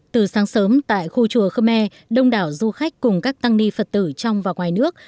từ sáng sớm tại khu chùa khơ me đông đảo du khách cùng các tăng ni phật tử trong và ngoài nước